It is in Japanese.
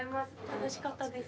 楽しかったです。